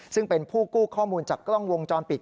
ซึ่งเป็นผู้กู้ข้อมูลจากกล้องวงจรปิด